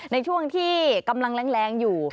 ในช่วงที่กำลังแรงอยู่